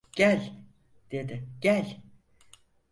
"Gel!" dedi, "Gel!"